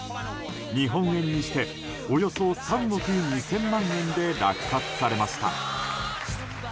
日本円にしておよそ３億２０００万円で落札されました。